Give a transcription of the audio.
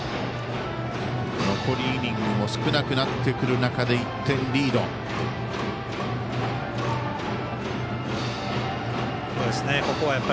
残りイニングも少なくなってくる中で１点リードの星稜。